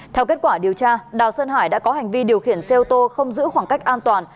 theo kết quả điều tra đào sơn hải đã có hành vi điều khiển xe ô tô không giữ khoảng cách an toàn